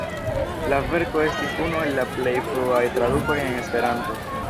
La verko estis unu el la plej fruaj tradukoj en Esperanto.